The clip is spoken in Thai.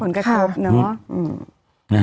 ผลกระทบเนาะ